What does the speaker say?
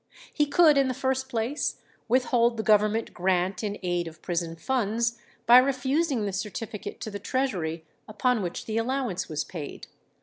He could in the first place withhold the government grant in aid of prison funds by refusing the certificate to the Treasury upon which the allowance was paid.